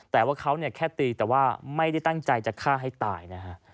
แต่ว่าเขาแค่ตีแต่ว่าไม่ได้ตั้งใจจะฆ่าให้ตายนะฮะ